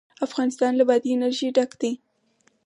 افغانستان له بادي انرژي ډک دی.